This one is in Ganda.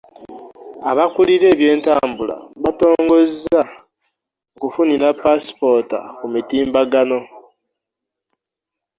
Abakulira ebyentambula batongozza okufunira ppaasipoota ku mutimbagano.